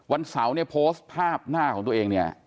วันเสาร์เนี่ยโพสต์ภาพหน้าของตัวเองเนี่ย